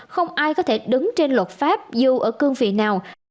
không ai có thể đứng trên luật pháp dù ở cương vị nào